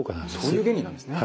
そういう原理なんですね。